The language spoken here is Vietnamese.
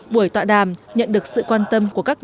buổi tọa đàm nhận được sự quan tâm của các tướng